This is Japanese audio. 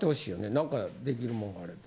何かできるものがあれば。